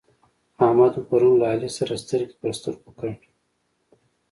احمد مو پرون له علي سره سترګې پر سترګو کړ.